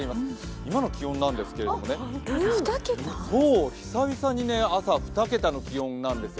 今の気温なんですけれどもね、久々に朝、２桁の気温なんですよ。